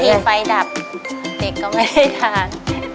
เมื่อที่ไฟดับเด็กก็ไม่ได้ทาน